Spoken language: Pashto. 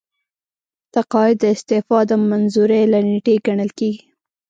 تقاعد د استعفا د منظورۍ له نیټې ګڼل کیږي.